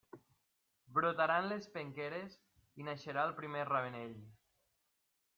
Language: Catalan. Brotaran les penqueres i naixerà el primer ravenell.